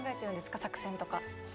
作戦とか。